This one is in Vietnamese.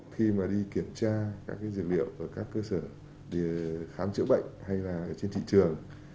khi mà đi kiểm tra các dược liệu ở các cơ sở đi khám chữa bệnh hay là trên thị trường